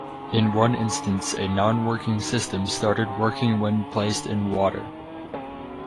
In one instance a non-working system started working when placed in water.